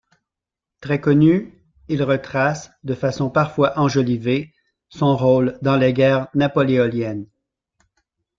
Très connus, ils retracent, de façon parfois enjolivée, son rôle dans les guerres napoléoniennes.